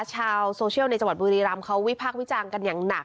ชาวโซเชียลในจังหวัดบุรีรัมพ์เขาวิพักวิจังกันอย่างหนัก